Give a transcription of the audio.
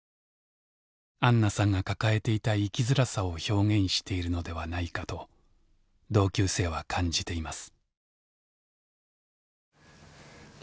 あんなさんが抱えていた生きづらさを表現しているのではないかと同級生は感じています。